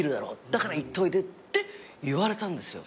「だから行っておいで」って言われたんですよ。